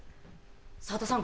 長田さん